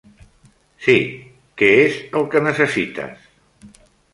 Sí, què és el que necessites?